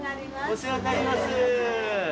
お世話になります